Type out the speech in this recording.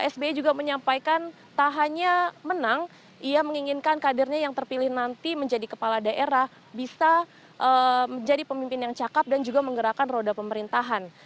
sbi juga menyampaikan tak hanya menang ia menginginkan kadernya yang terpilih nanti menjadi kepala daerah bisa menjadi pemimpin yang cakep dan juga menggerakkan roda pemerintahan